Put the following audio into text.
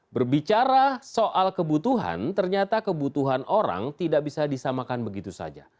berbicara soal kebutuhan ternyata kebutuhan orang tidak bisa disamakan begitu saja